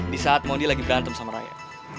di saat modi lagi berantem sama raya